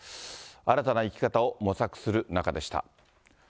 新たな生き方を模索する中でした。